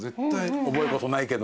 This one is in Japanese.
覚えこそないけどね。